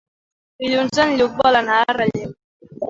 Dilluns en Lluc vol anar a Relleu.